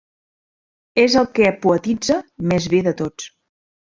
És el que poetitza més bé de tots.